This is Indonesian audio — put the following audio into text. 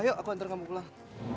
ayo aku antar kamu pulang